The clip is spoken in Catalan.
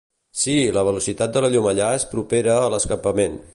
Sí, la velocitat de la llum allà és propera a la d'escapament.